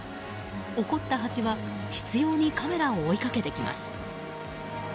怒ったハチは執拗にカメラを追いかけてきます。